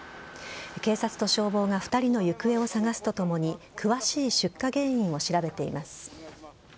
警察と消防が２人の行方を捜すとともに詳しい出火原因を調べています。